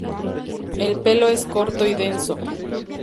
El pelo es corto y denso.